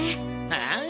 ああ。